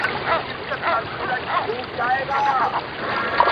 زه راغلی یم چي لار نه کړمه ورکه-